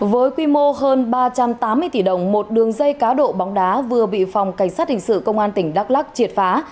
với quy mô hơn ba trăm tám mươi tỷ đồng một đường dây cá độ bóng đá vừa bị phòng cảnh sát hình sự công an tỉnh đắk lắc triệt phá